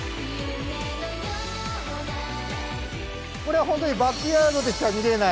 これは本当にバックヤードでしか見れない。